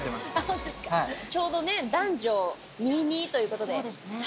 ちょうどね男女２：２ということでそうですね